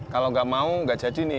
kalau gak mau gak jadi nih